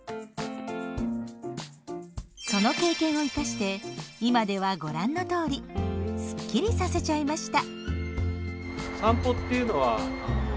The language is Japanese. その経験を生かして今ではご覧のとおりすっきりさせちゃいました。